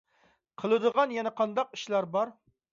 قىلىدىغان يەنە قانداق ئىشلار بار؟